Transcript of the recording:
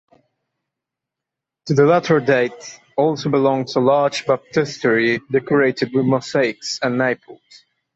To the latter date also belongs a large baptistery decorated with mosaics at Naples.